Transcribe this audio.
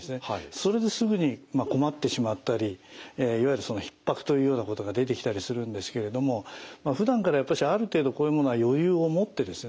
それですぐに困ってしまったりいわゆるひっぱくというようなことが出てきたりするんですけれどもふだんからやっぱりある程度こういうものは余裕を持ってですね